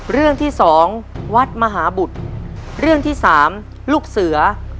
เรื่องที่สองวัดมหาบุตรเรื่องที่สามลูกเสือ